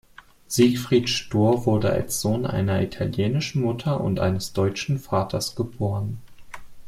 Siegfried Stohr wurde als Sohn einer italienischen Mutter und eines deutschen Vaters geboren.